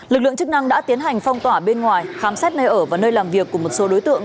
lực lượng chức năng đã tiến hành phong tỏa bên ngoài khám xét nơi ở và nơi làm việc của một số đối tượng